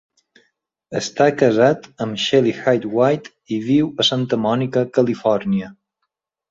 Està casat amb Shelly Hyde-White i viu a Santa Mònica, Califòrnia.